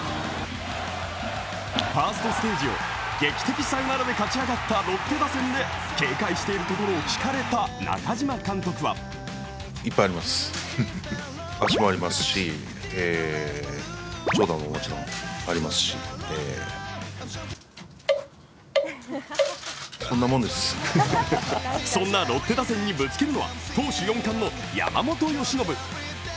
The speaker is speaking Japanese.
ファーストステージを劇的サヨナラで勝ち上がったロッテ打線で警戒しているところを聞かれた中嶋監督はそんなロッテ打線にぶつけるのは投手４冠の山本由伸。